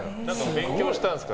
勉強したんですか？